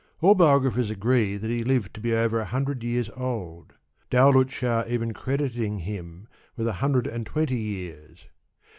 All biogra phers agree that he lived to be over a hundred years old, Daulat Shah even crediting him with a hundred and twenty years.